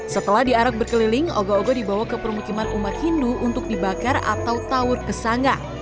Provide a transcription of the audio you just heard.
setelah diarak berkeliling ogo ogo dibawa ke permukiman umat hindu untuk dibakar atau tawur kesanga